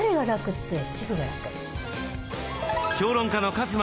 評論家の勝間